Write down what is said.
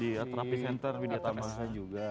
di art therapy center widyatamasa juga